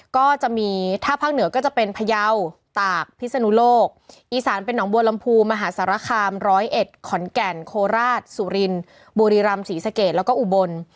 ก็จะมีถ้าภาคเหนือก็จะเป็นพยาวตากพิศนุโลกอีสานเป็นหนองบัวลำพูมหาสารคามร้อยเอ็ดขอนแก่นโคราชสุรินบุรีรำศรีสะเกดแล้วก็อุบล